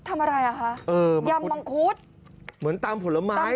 ทำอะไรอ่ะคะเออยำมังคุดเหมือนตำผลไม้